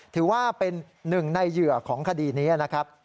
ถือว่าเป็นหนึ่งในเหยื่อของคดีนี้นะครับ